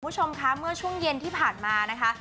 คุณผู้ชมคะเมื่อช่วงเย็นที่ผ่านมานะคะ